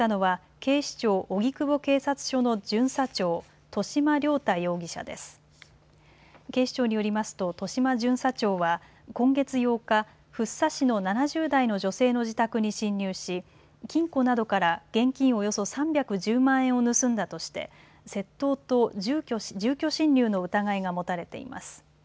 警視庁によりますと戸嶋巡査長は今月８日、福生市の７０代の女性の自宅に侵入し、金庫などから現金およそ３１０万円を盗んだとして窃盗と住居侵入の疑いが持たれています。